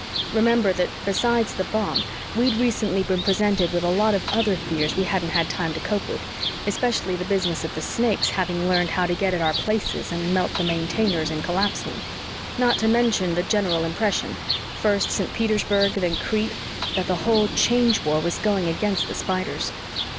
Remember that, besides the bomb, we'd recently been presented with a lot of other fears we hadn't had time to cope with, especially the business of the Snakes having learned how to get at our Places and melt the Maintainers and collapse them. Not to mention the general impression first Saint Petersburg, then Crete that the whole Change War was going against the Spiders.